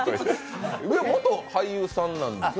元俳優さんなんですよね？